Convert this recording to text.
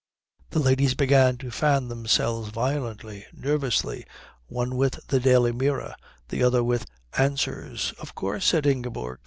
The ladies began to fan themselves violently, nervously, one with The Daily Mirror the other with Answers. "Of course," said Ingeborg.